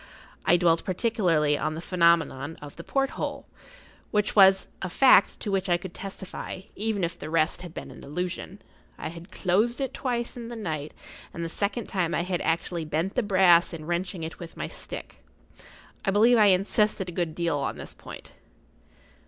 I dwelt particularly on the phenomenon of the porthole, which was a fact to which I could testify, even if the rest had been an illusion. I had closed it twice in the night, and the second time I had actually bent the brass in wrenching it with my stick. I believe I insisted a good deal on this point.